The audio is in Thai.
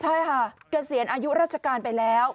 ใช่ค่ะเกษียณอายุราชการไปแล้ว